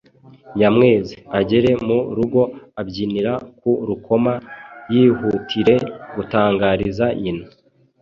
Nyamwezi: (Agere mu rugo abyinira ku rukoma yihutire gutangariza nyina